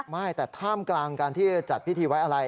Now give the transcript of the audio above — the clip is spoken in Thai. ไม่แต่ท่ามกลางการที่จะจัดพิธีไว้อะไร